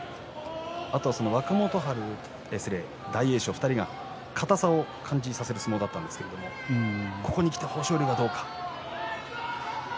あとは若元春と大栄翔を２人が硬さを感じさせる相撲だったんですがここにきて豊昇龍はどうか。